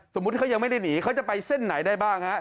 สมมุติเขายังไม่ได้หนีเขาจะไปเส้นไหนได้บ้างฮะ